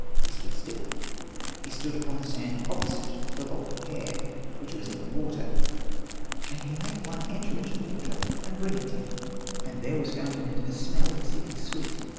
He stood still, he stood upon the sand opposite to the lock of hair, which was in the water, and he made one enter into the water and bring it to him ; and there was Hosted by Google 54 ANPU AND BATA found in it a smell, exceeding sweet.